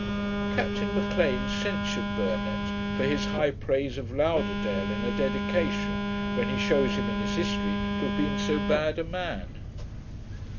Captain M'Lean censured Burnet, for his high praise of Lauderdale in a dedication, when he shews him in his history to have been so bad a man.